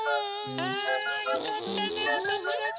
あよかったねおともだち？